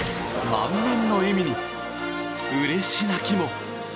満面の笑みにうれし泣きも。